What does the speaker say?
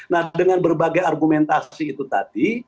nah dengan berbagai argumentasi itu tadi